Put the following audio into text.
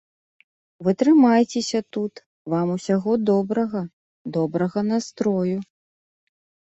Вы трымайцеся тут, вам усяго добрага, добрага настрою!